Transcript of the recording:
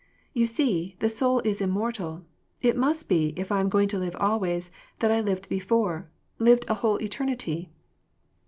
" You see the soul is immortal. It must be, if I am going to live always, that I lived before, lived a whole eternity."